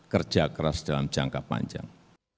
kerja keras dalam jangka panjang